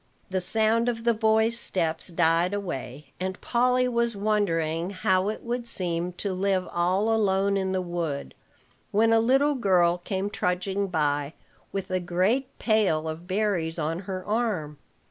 The sound of the boys' steps died away, and Polly was wondering how it would seem to live all alone in the wood, when a little girl came trudging by, with a great pail of berries on her arm.